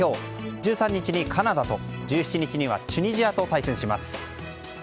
１３日にカナダと、１７日にはチュニジアと対戦します。